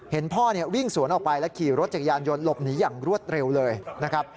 พ่อวิ่งสวนออกไปและขี่รถจักรยานยนต์หลบหนีอย่างรวดเร็วเลยนะครับ